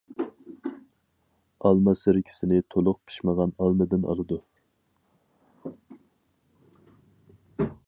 ئالما سىركىسىنى تولۇق پىشمىغان ئالمىدىن ئالىدۇ.